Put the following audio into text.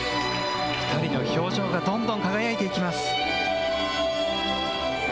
２人の表情がどんどん輝いていきます。